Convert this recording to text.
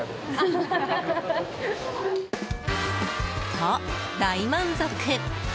と、大満足。